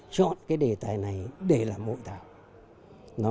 chọn cái đề tài này để làm hội thảo